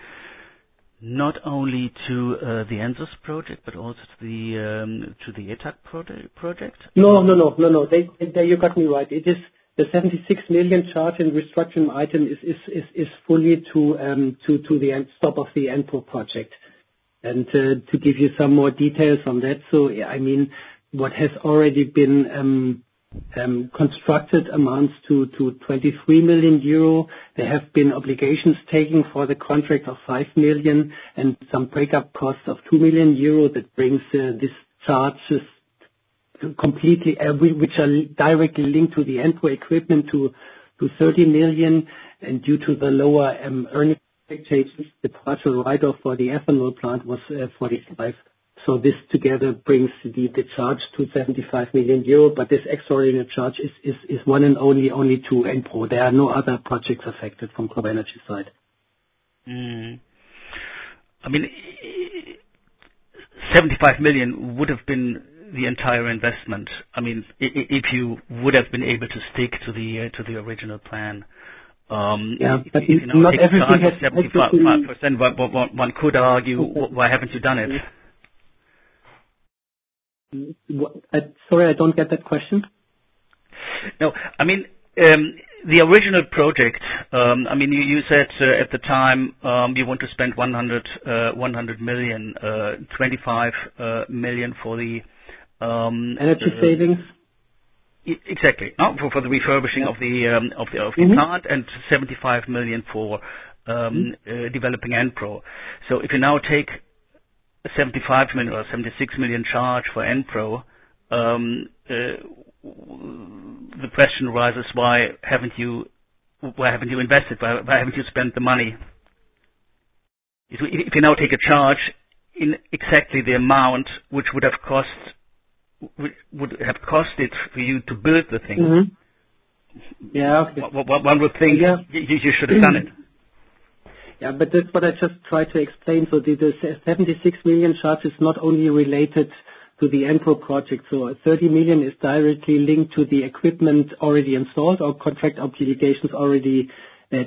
not only to the Ensus project, but also to the ETAG project? No, no, no, no, no. You got me right. The 76 million charge in restructuring item is fully to the end stop of the EnPro project. And to give you some more details on that, so I mean, what has already been constructed amounts to 23 million euro. There have been obligations taken for the contract of 5 million and some breakup cost of 2 million euro that brings these charges completely, which are directly linked to the EnPro equipment, to 30 million. And due to the lower earnings expectations, the partial write-off for the ethanol plant was 45 million. So this together brings the charge to 75 million euro. But this extraordinary charge is one and only to EnPro. There are no other projects affected from CropEnergies side. I mean, 75 million would have been the entire investment, I mean, if you would have been able to stick to the original plan. Yeah, but not everything has to be 75. One could argue, why haven't you done it? Sorry, I don't get that question. No. I mean, the original project, I mean, you said at the time you want to spend 100 million, 25 million for the. Energy savings. Exactly. For the refurbishing of the plant and 75 million for developing EnPro. So if you now take a 75 million or 76 million charge for EnPro, the question arises, why haven't you invested? Why haven't you spent the money? If you now take a charge in exactly the amount which would have cost it for you to build the thing, one would think you should have done it. Yeah, but that's what I just tried to explain. So the 76 million charge is not only related to the EnPro project. So 30 million is directly linked to the equipment already installed or contract obligations already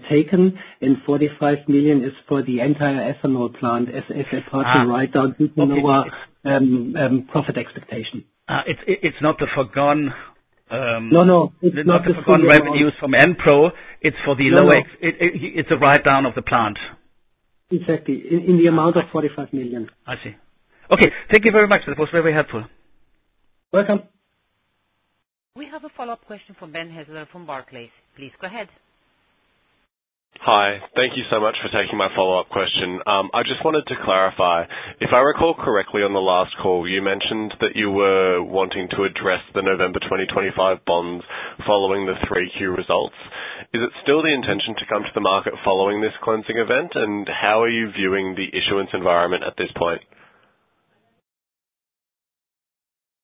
taken, and 45 million is for the entire ethanol plant as a partial write-down to the lower profit expectation. It's not the foregone. No, no. It's not the foregone. Revenues from EnPro. It's for the lower. Right. It's a write-down of the plant. Exactly. In the amount of 45 million. I see. Okay. Thank you very much. That was very helpful. Welcome. We have a follow-up question from Ben Theurer from Barclays. Please go ahead. Hi. Thank you so much for taking my follow-up question. I just wanted to clarify. If I recall correctly, on the last call, you mentioned that you were wanting to address the November 2025 bonds following the 3Q results. Is it still the intention to come to the market following this cleansing event? And how are you viewing the issuance environment at this point?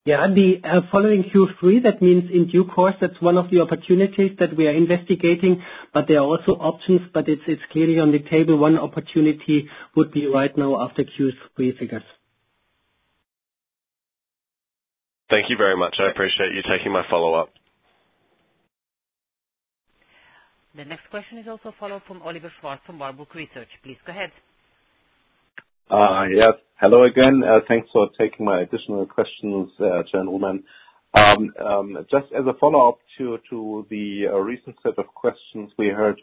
Yeah. I mean, following Q3, that means in due course, that's one of the opportunities that we are investigating. But there are also options, but it's clearly on the table. One opportunity would be right now after Q3 figures. Thank you very much. I appreciate you taking my follow-up. The next question is also from Oliver Schwarz from Warburg Research. Please go ahead. Yes. Hello again. Thanks for taking my additional questions, gentlemen. Just as a follow-up to the recent set of questions we heard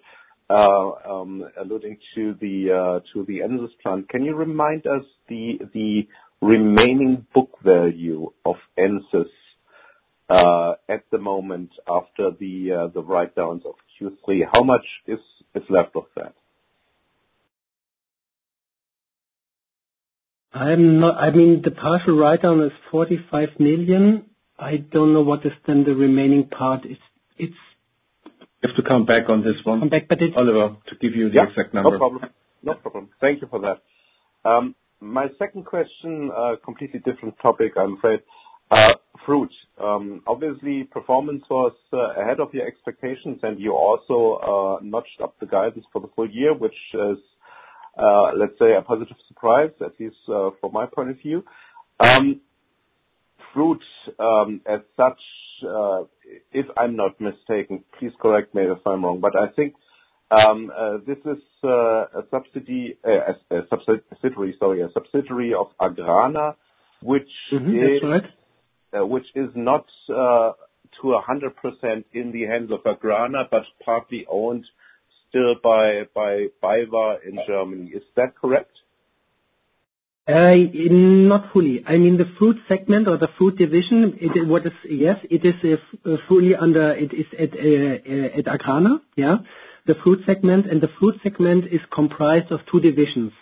alluding to the Ensus plant, can you remind us the remaining book value of Ensus at the moment after the write-downs of Q3? How much is left of that? I mean, the partial write-down is 45 million. I don't know what is then the remaining part. It's. You have to come back on this one, Oliver, to give you the exact number. No problem. No problem. Thank you for that. My second question, completely different topic, I'm afraid. Fruit. Obviously, performance was ahead of your expectations, and you also notched up the guidance for the full year, which is, let's say, a positive surprise, at least from my point of view. Fruit, as such, if I'm not mistaken, please correct me if I'm wrong, but I think this is a Südzucker subsidiary, sorry, a subsidiary of Agrana, which is. crosstalk Which is not to 100% in the hands of Agrana, but partly owned still by BayWa in Germany. Is that correct? Not fully. I mean, the fruit segment or the fruit division, yes, it is fully under it is at Agrana, yeah, the fruit segment. And the fruit segment is comprised of two divisions.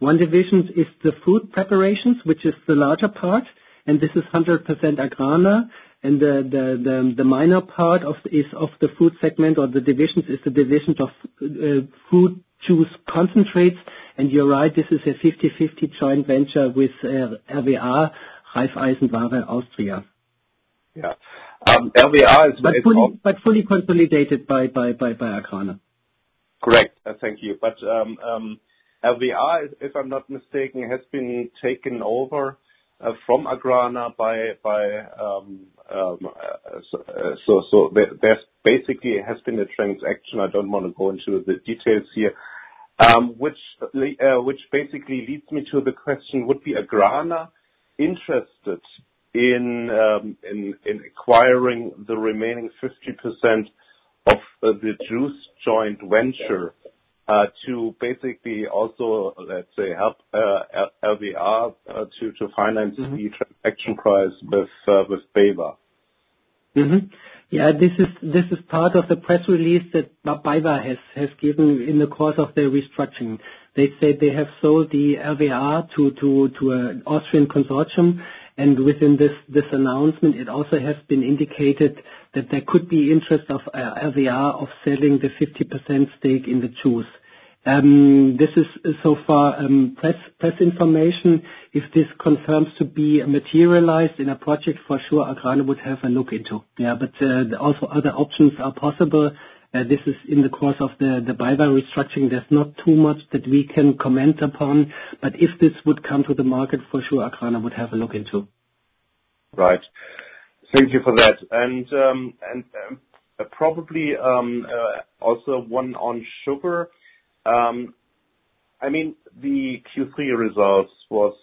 One division is the fruit preparations, which is the larger part, and this is 100% Agrana. And the minor part of the fruit segment or the divisions is the division of fruit juice concentrates. And you're right, this is a 50/50 joint venture with RWA, Raiffeisen Ware Austria. Yeah. RWA is where? But fully consolidated by Agrana. Correct. Thank you. But RWA, if I'm not mistaken, has been taken over from Agrana by RWA. So there basically has been a transaction. I don't want to go into the details here, which basically leads me to the question, would Agrana be interested in acquiring the remaining 50% of the juice joint venture to basically also, let's say, help RWA to finance the transaction price with BayWa? Yeah. This is part of the press release that BayWa has given in the course of their restructuring. They said they have sold the RWA to an Austrian consortium. And within this announcement, it also has been indicated that there could be interest of RWA of selling the 50% stake in the juice. This is so far press information. If this confirms to be materialized in a project, for sure, Agrana would have a look into. Yeah, but also other options are possible. This is in the course of the BayWa restructuring. There's not too much that we can comment upon. But if this would come to the market, for sure, Agrana would have a look into. Right. Thank you for that. And probably also one on sugar. I mean, the Q3 results was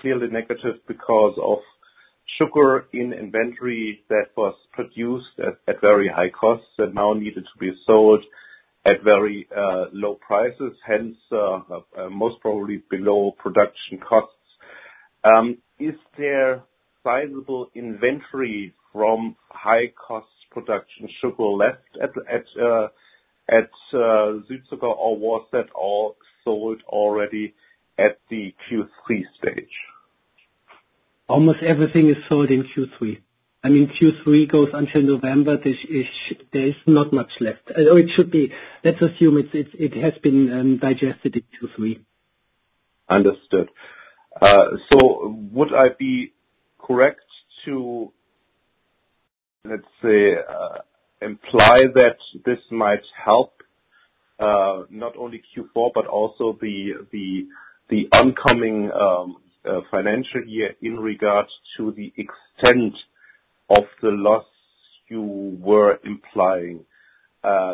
clearly negative because of sugar in inventory that was produced at very high costs that now needed to be sold at very low prices, hence most probably below production costs. Is there sizable inventory from high-cost production sugar left at Südzucker or was that all sold already at the Q3 stage? Almost everything is sold in Q3. I mean, Q3 goes until November. There is not much left. Or it should be. Let's assume it has been digested in Q3. Understood. So would I be correct to, let's say, imply that this might help not only Q4, but also the oncoming financial year in regards to the extent of the loss you were implying,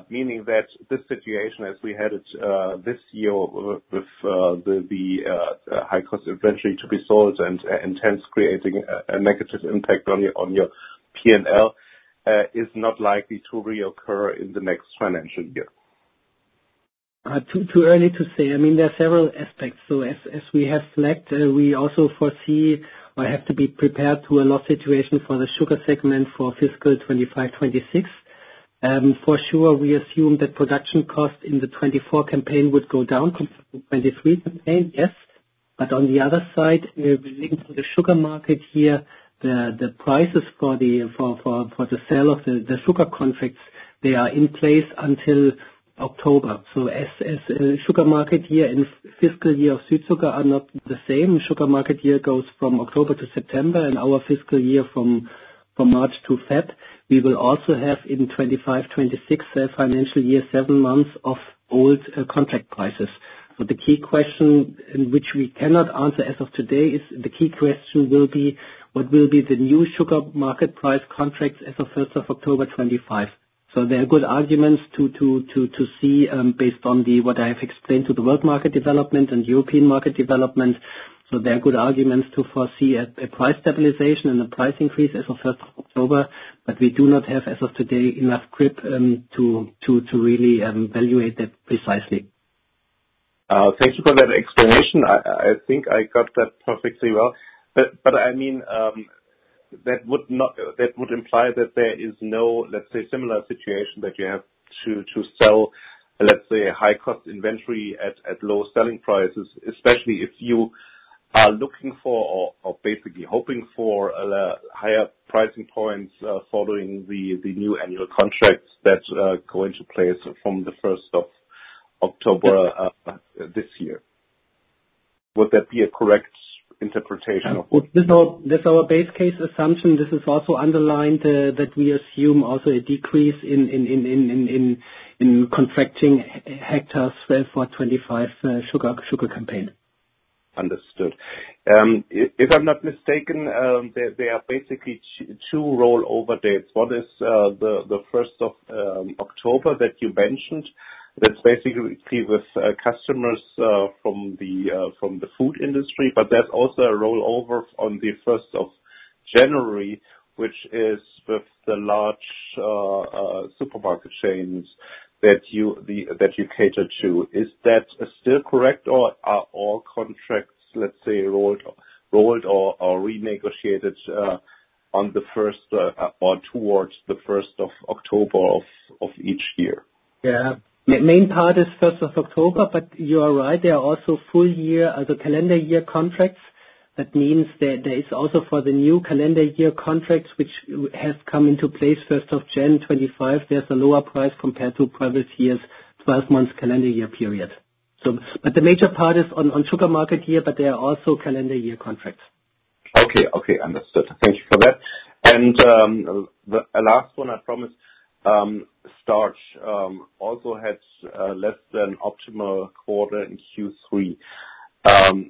meaning that this situation, as we had it this year with the high-cost inventory to be sold and hence creating a negative impact on your P&L, is not likely to reoccur in the next financial year? Too early to say. I mean, there are several aspects. So as we have flagged, we also foresee or have to be prepared to a loss situation for the sugar segment for fiscal 2025/2026. For sure, we assume that production cost in the 24 campaign would go down compared to the 23 campaign, yes. But on the other side, linked to the sugar market here, the prices for the sale of the sugar contracts, they are in place until October. So as sugar market year and fiscal year of Südzucker are not the same, sugar market year goes from October to September and our fiscal year from March to February. We will also have in 2025/2026, financial year, seven months of old contract prices. The key question which we cannot answer as of today is. The key question will be, what will be the new sugar market price contracts as of 1st of October 2025? There are good arguments to see based on what I have explained to the world market development and European market development. There are good arguments to foresee a price stabilization and a price increase as of 1st of October. We do not have as of today enough grip to really evaluate that precisely. Thank you for that explanation. I think I got that perfectly well. But I mean, that would imply that there is no, let's say, similar situation that you have to sell, let's say, high-cost inventory at low selling prices, especially if you are looking for or basically hoping for higher pricing points following the new annual contracts that go into place from the 1st of October this year. Would that be a correct interpretation of? That's our base case assumption. This is also underlined that we assume also a decrease in contracting hectares for 2025 sugar campaign. Understood. If I'm not mistaken, there are basically two rollover dates. One is the 1st of October that you mentioned. That's basically with customers from the food industry. But there's also a rollover on the 1st of January, which is with the large supermarket chains that you cater to. Is that still correct, or are all contracts, let's say, rolled or renegotiated on the 1st or towards the 1st of October of each year? Yeah. The main part is 1st of October, but you are right. There are also full-year, the calendar year contracts. That means that there is also for the new calendar year contracts, which have come into place 1st of January 2025, there's a lower price compared to previous year's 12-month calendar year period. But the major part is on sugar market year, but there are also calendar year contracts. Okay. Okay. Understood. Thank you for that. And the last one, I promise, starch also had less than optimal quarter in Q3.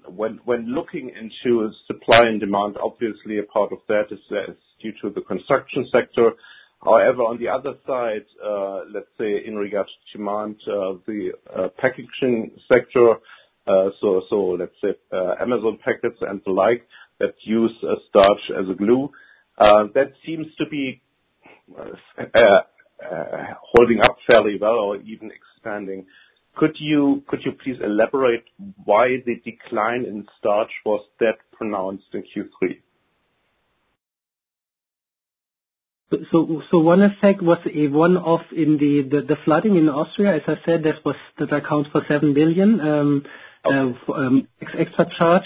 When looking into supply and demand, obviously a part of that is due to the construction sector. However, on the other side, let's say, in regards to demand, the packaging sector, so let's say Amazon packets and the like that use starch as a glue, that seems to be holding up fairly well or even expanding. Could you please elaborate why the decline in starch was that pronounced in Q3? One effect was a one-off in the flooding in Austria. As I said, that accounts for 7 billion extra charge.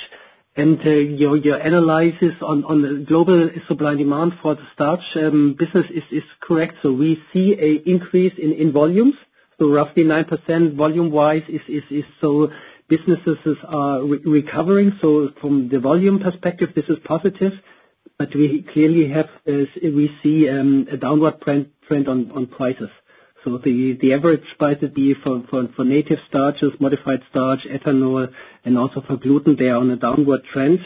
Your analysis on the global supply and demand for the starch business is correct. We see an increase in volumes. Roughly 9% volume-wise. Businesses are recovering. From the volume perspective, this is positive. But we clearly see a downward trend on prices. The average price would be for native starches, modified starch, ethanol, and also for gluten, they are on a downward trend.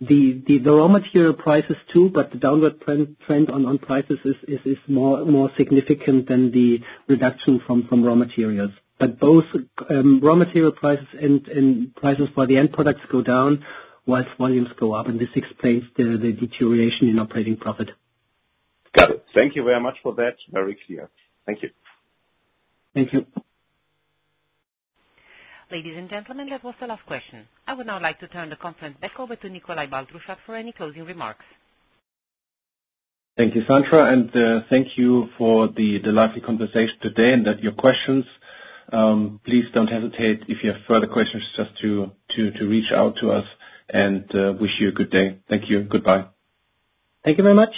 The raw material prices too, but the downward trend on prices is more significant than the reduction from raw materials. Both raw material prices and prices for the end products go down while volumes go up. This explains the deterioration in operating profit. Got it. Thank you very much for that. Very clear. Thank you. Thank you. Ladies and gentlemen, that was the last question. I would now like to turn the conference back over to Nikolai Baltruschat for any closing remarks. Thank you, Sandra. And thank you for the lively conversation today and your questions. Please don't hesitate if you have further questions, just to reach out to us. And wish you a good day. Thank you. Goodbye. Thank you very much.